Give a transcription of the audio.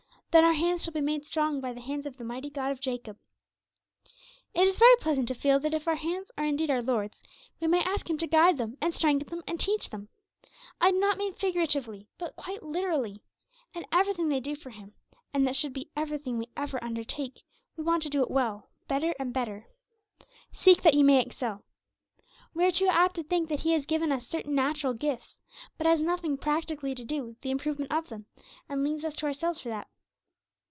Then our hands shall be made strong by the hands of the Mighty God of Jacob. It is very pleasant to feel that if our hands are indeed our Lord's, we may ask Him to guide them, and strengthen them, and teach them. I do not mean figuratively, but quite literally. In everything they do for Him (and that should be everything we ever undertake) we want to do it well better and better. 'Seek that ye may excel.' We are too apt to think that He has given us certain natural gifts, but has nothing practically to do with the improvement of them, and leaves us to ourselves for that.